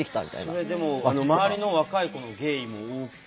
それでも周りの若い子のゲイも多い。